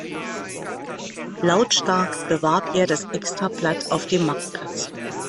Lautstark bewarb er das Extrablatt auf dem Marktplatz.